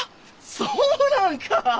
そうなんか！